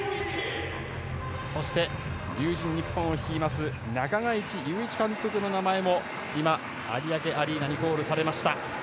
そして、龍神ニッポンを率います中垣内祐一監督の名前も今、有明アリーナにコールされました。